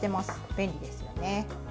便利ですよね。